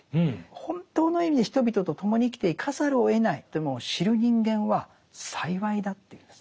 本当の意味で人々と共に生きていかざるをえないというものを知る人間は幸いだというんです。